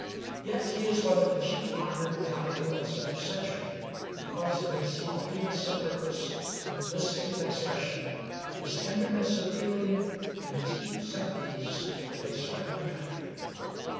Yet he is one of the chief minor Italian poets of this century, because of his loftiness of purpose and felicity of expression, his tenderness of feeling, and his deep sympathies with his struggling country.